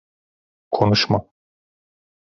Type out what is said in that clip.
Konuşma.